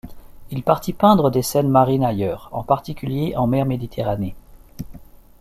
Il partit peindre des scènes marines ailleurs, en particulier en mer Méditerranée.